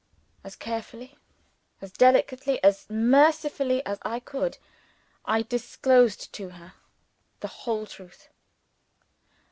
As carefully, as delicately, as mercifully as I could, I disclosed to her the whole truth.